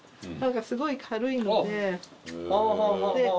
何かすごい軽いので。